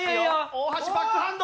大橋バックハンド！